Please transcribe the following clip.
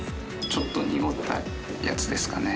ちょっと濁ったやつですかね。